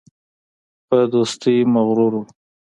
په دوستۍ مغرور وو.